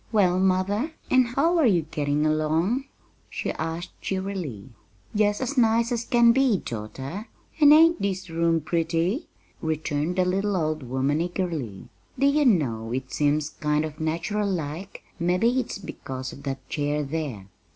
"Well, mother, and how are you getting along?" she asked cheerily. "Jest as nice as can be, daughter, and ain't this room pretty?" returned the little old woman eagerly. "Do you know, it seems kind of natural like; mebbe it's because of that chair there.